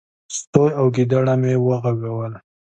. سوی او ګيدړه مې وغږول،